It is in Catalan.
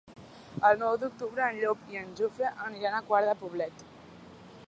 El nou d'octubre en Llop i en Jofre aniran a Quart de Poblet.